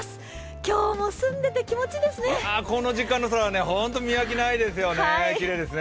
今日も澄んでて気持ちいいですね。